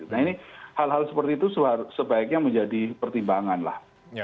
nah ini hal hal seperti itu sebaiknya menjadi pertimbangan lah